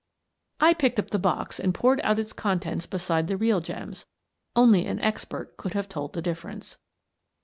I picked up the box and poured out its contents beside the real gems : only an expert could have told the difference.